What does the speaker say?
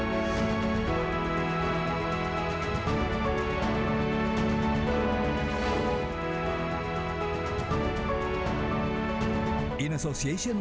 atas dampak presiden presiden